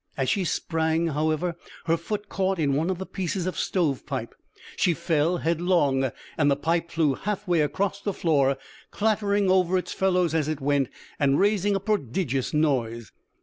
As she sprang, however, her foot caught in one of the pieces of stove pipe. She fell headlong, and the pipe flew half way across the floor, clattering over its fellows as it went, and raising a prodigious noise.